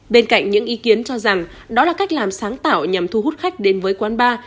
bên cạnh những ý kiến cho rằng đó là cách làm sáng tạo nhằm thu hút khách đến với quán bar